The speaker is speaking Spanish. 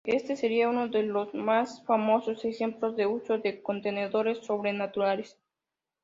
Este sería uno de los más famosos ejemplos de uso de contenedores sobrenaturales.